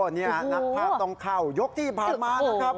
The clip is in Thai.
นี่นักภาพต้องเข้ายกที่ผ่านมานะครับ